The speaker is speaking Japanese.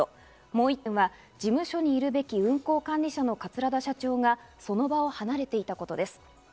もう１点は事務所にいるべき運航管理者の桂田社長がその場を離れていたことです。